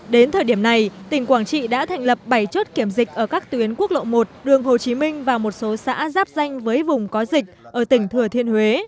đến thời điểm này tỉnh quảng trị đã thành lập bảy chốt kiểm dịch ở các tuyến quốc lộ một đường hồ chí minh và một số xã giáp danh với vùng có dịch ở tỉnh thừa thiên huế